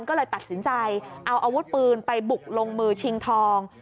ก็เลยตัดสินใจเอาอาวุธปืนไปบุกลงมือชิงทอง